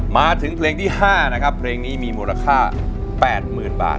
มาถึงเพลงที่๕นะครับเพลงนี้มีมูลค่า๘๐๐๐บาท